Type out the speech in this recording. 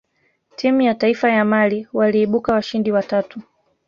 timu ya taifa ya mali waliibuka washindi wa tatu